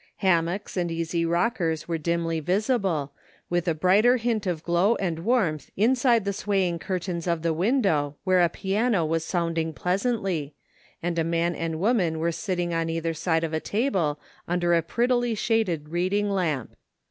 Hammocks and easy rockers were dimly visible, with a brighter hint of glow and warmth inside the swaying curtains of the window where a piano was sotmding pleasantly, and a man and woman were sitting on either side of a table under a prettily shaded reading lamp.